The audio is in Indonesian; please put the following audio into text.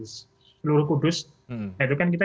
seluruh kudus nah itu kan kita